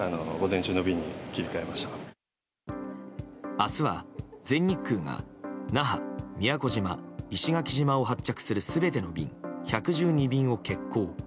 明日は、全日空が那覇、宮古島、石垣島を発着する全ての便、１１２便を欠航。